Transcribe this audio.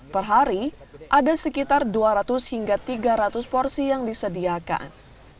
perhari ada sekitar dua ratus hingga tiga ratus porsi yang disediakan